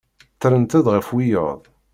Ttrent-d ɣef wiyaḍ.